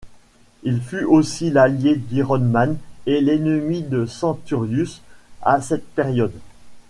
Il fut aussi l'allié d'Iron Man et l'ennemi de Centurius à cette période.